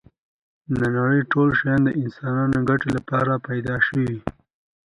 دا نړی ټول شیان د انسانانو ګټی لپاره پيدا شوی